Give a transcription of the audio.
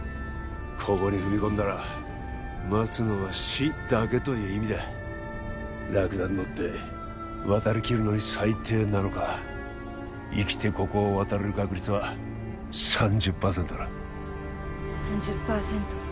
ここに踏み込んだら待つのは死だけという意味だラクダに乗って渡りきるのに最低７日生きてここを渡れる確率は３０％だ３０％